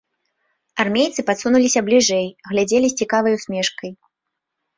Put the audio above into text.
Армейцы падсунуліся бліжэй, глядзелі з цікавай усмешкай.